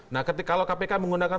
nah kalau kpk menggunakan